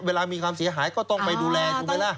เวลามีความเสียหายก็ต้องไปดูแลถูกไหมล่ะ